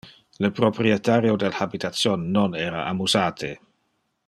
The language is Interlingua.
Le proprietario del habitation non era amusate.